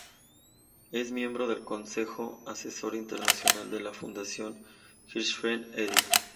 Es miembro del consejo asesor internacional de la Fundación Hirschfeld Eddy.